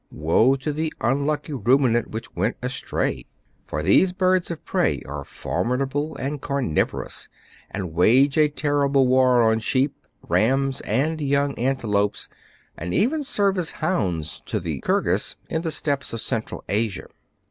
Woe to the unlucky ruminant which went astray ! for these birds of prey are formidable and carniv orous, and wage a terrible war on sheep, rams, and young antelopes, and even serve as hounds to the Kirghis in the steppes of Central Asia.